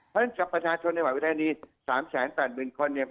เพราะฉะนั้นกับประชาชนในหวังวิทยาลัยนี้สามแสนสักหมื่นคนเนี่ย